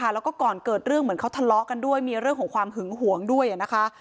แล้วก็ก่อนเกิดเรื่องเหมือนเขาทะเลาะกันด้วยมีเรื่องของความหึงหวงด้วยนะคะ